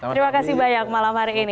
terima kasih banyak malam hari ini